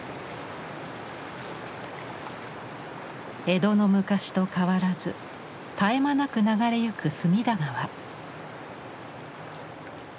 江戸の昔と変わらず絶え間なく流れゆく隅田川。